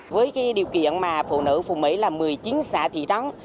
với điều kiện mà phụ nữ phụ mấy là một mươi chín xã thị trắng